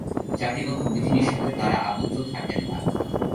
জাতিগত বিধি-নিষেধে তাঁরা আবদ্ধ থাকেন না।